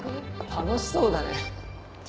楽しそうだね。